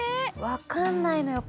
わかんないのよ